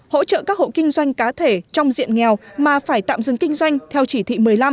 hỗ trợ các hộ kinh doanh cá thể trong diện nghèo mà phải tạm dừng kinh doanh theo chỉ thị một mươi năm